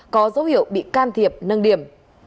có dấu hiệu bị can thiệp nâng điểm